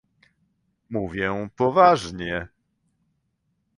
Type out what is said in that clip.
Mówię poważnie